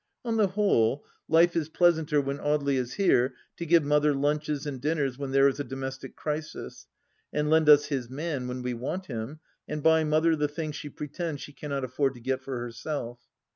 On the whole, life is pleasanter when Audely is here to give Mother lunches and dinners when there is a domestic crisis, and lend us his man when we want him, and buy Mother the thing she pretends she cannot afford to get for herself.